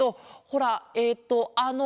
ほらえっとあの。